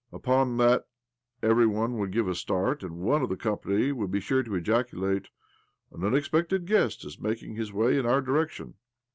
Upon that every one would give a start, and one of the company would be sure to ejaculate :" An unexpected guest is making his way in our direction."